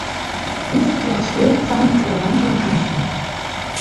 Diese können stehend sein oder langsam fließen.